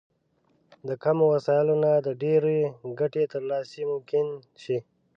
له کمو وسايلو نه د ډېرې ګټې ترلاسی ممکن شي.